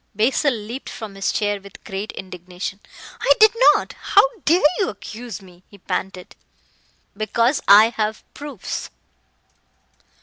Basil leaped from his chair with great indignation. "I did not. How dare you accuse me?" he panted. "Because I have proofs."